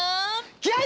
気合い！